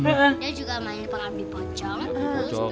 dia juga mainin pengabdi pocong